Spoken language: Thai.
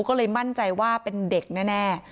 ก็เลยมั่นใจว่าเป็นเด็กแน่